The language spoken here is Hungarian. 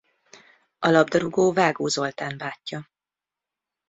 A labdarúgó Vágó Zoltán bátyja.